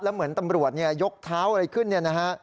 แล้วเหมือนตำรวจยกเท้าอะไรขึ้นนะครับ